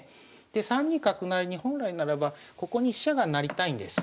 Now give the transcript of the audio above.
３二角成に本来ならばここに飛車が成りたいんです。